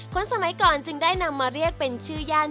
คนสมัยก่อนจึงได้นำมาเรียกเป็นชื่อย่าน